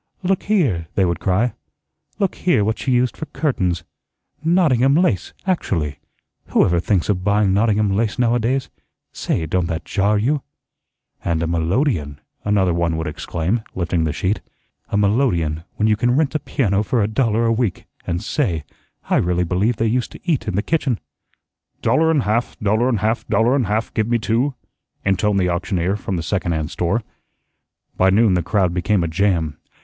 "Look here," they would cry, "look here what she used for curtains NOTTINGHAM lace, actually! Whoever thinks of buying Nottingham lace now a days? Say, don't that JAR you?" "And a melodeon," another one would exclaim, lifting the sheet. "A melodeon, when you can rent a piano for a dollar a week; and say, I really believe they used to eat in the kitchen." "Dollarn half, dollarn half, dollarn half, give me two," intoned the auctioneer from the second hand store. By noon the crowd became a jam.